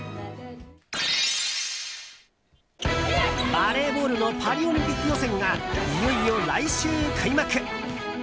バレーボールのパリオリンピック予選がいよいよ来週開幕。